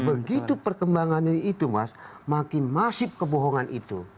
begitu perkembangannya itu mas makin masif kebohongan itu